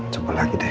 coba lagi deh